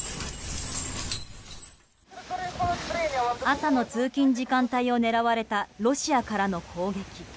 朝の通勤時間帯を狙われたロシアからの攻撃。